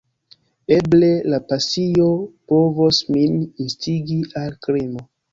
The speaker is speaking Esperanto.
Eble la pasio povos min instigi al krimo.